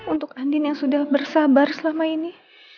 untuk andin yang sudah bersabar selama ini